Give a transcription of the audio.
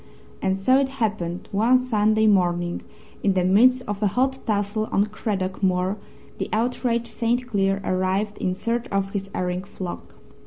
And so it happened one Sunday morning, in the midst of a hot tussle on Craddock Moor, the outraged St. Cleer arrived in search of his erring flock.